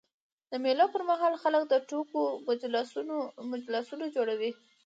د مېلو پر مهال خلک د ټوکو مجلسونه جوړوي.